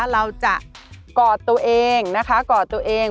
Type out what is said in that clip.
เราจะกอดตัวเองนะคะกอดตัวเอง